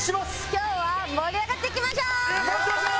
今日は盛り上がっていきましょう！